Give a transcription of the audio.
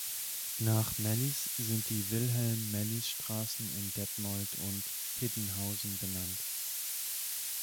Nach Mellies sind die "Wilhelm-Mellies-Straßen" in Detmold und Hiddenhausen benannt.